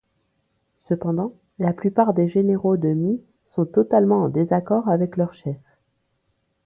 Cependant, la plupart des généraux de Mi sont totalement en désaccord avec leur chef.